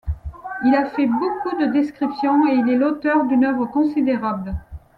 Il a fait beaucoup de descriptions et il est l’auteur d’une œuvre considérable.